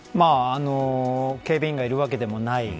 警備員がいるわけでもない。